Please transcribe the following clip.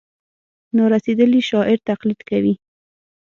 نا رسېدلي شاعر تقلید کوي.